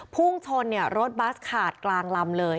พุ่งชนรถบัสขาดกลางลำเลย